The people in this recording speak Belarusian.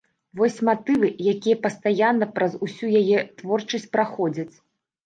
Вось матывы, якія пастаянна праз усю яе творчасць праходзяць.